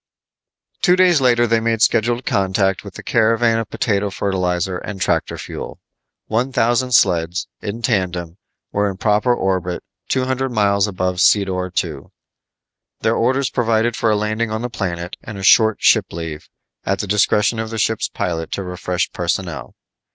Two days later they made scheduled contact with the caravan of potato fertilizer and tractor fuel. One thousand sleds, in tandem, were in proper orbit two hundred miles above Sedor II. Their orders provided for a landing on the planet and a short ship leave, at the discretion of the ship's pilot to refresh personnel.